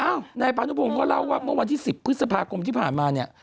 นายพานุพงศ์ก็เล่าว่าเมื่อวันที่๑๐พฤษภาคมที่ผ่านมาเนี่ย